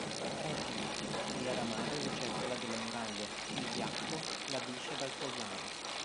Rettili: il ramarro e lucertola delle muraglie, il biacco, la biscia dal collare.